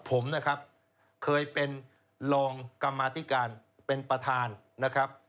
ผมนะครับเคยเป็นรองกรรมาธิการเป็นประธานนะครับ